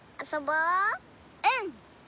うん！